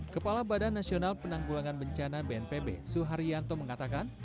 kepala badan nasional penanggulangan bencana bnpb suharyanto mengatakan